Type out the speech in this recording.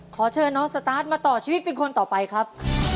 ขอเชิญน้องสตาร์ทมาต่อชีวิตเป็นคนต่อไปครับ